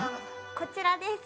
こちらです。